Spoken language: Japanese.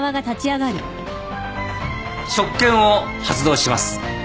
職権を発動します。